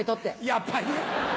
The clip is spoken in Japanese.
やっぱりね。